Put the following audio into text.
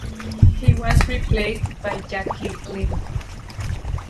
He was replaced by Jackie Lynton.